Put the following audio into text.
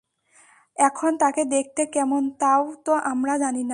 এখন তাকে দেখতে কেমন তাও তো আমরা জানি না।